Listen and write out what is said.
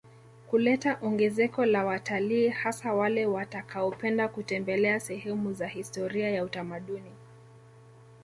Kuleta ongezeko la wataliii hasa wale watakaopenda kutembelea sehemu za historia ya utamaduni